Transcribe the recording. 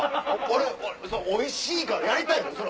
俺もおいしいからやりたいのよ